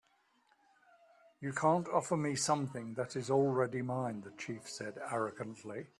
"You can't offer me something that is already mine," the chief said, arrogantly.